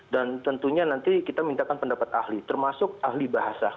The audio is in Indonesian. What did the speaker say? dan tentunya nanti kita minta pendapat ahli termasuk ahli bahasa